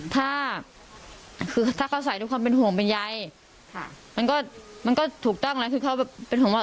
ถ้าเขาใส่ทุกความเป็นห่วงเป็นใยมันก็ถูกต้องแล้ว